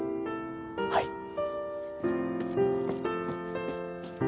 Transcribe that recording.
はい。